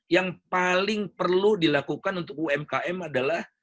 yang paling perlu dilakukan untuk umkm adalah